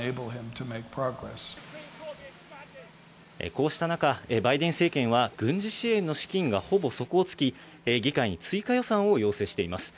こうした中、バイデン政権は、軍事支援の資金がほぼ底をつき、議会に追加予算を要請しています。